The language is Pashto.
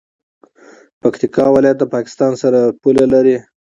پکتیکا ولایت له پاکستان سره پوله لري.